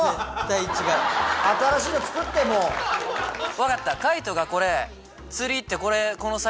分かった。